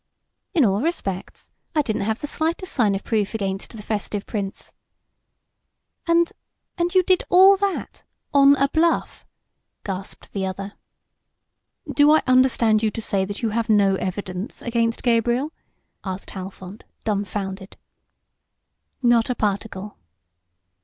"In all respects. I didn't have the slightest sign of proof against the festive Prince." "And you you did all that 'on a bluff'?" gasped the other. "Do I understand you to say that you have no evidence against Gabriel?" asked Halfont, dumbfounded. "Not a particle."